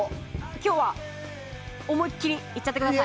今日は思いっきりいっちゃってください。